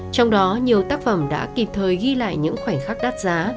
trong đó nhiều tác phẩm đã kịp thời ghi lại những khoảnh khắc đắt giá